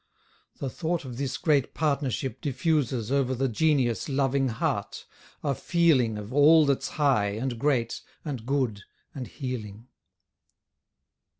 The thought of this great partnership diffuses Over the genius loving heart, a feeling Of all that's high, and great, and good, and healing.